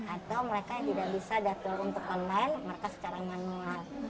atau mereka yang tidak bisa daftar untuk online mereka secara manual